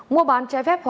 mua bán trái phép khoa